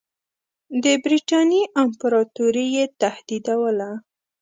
د برټانیې امپراطوري یې تهدیدوله.